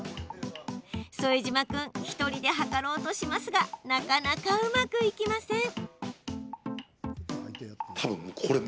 副島君、１人で測ろうとしますがなかなかうまくいきません。